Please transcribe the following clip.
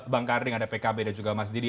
bang karding ada pkb dan juga mas didi